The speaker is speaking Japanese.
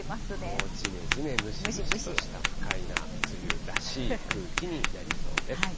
もうじめじめ、ムシムシとした、不快な梅雨らしい空気になりそうです。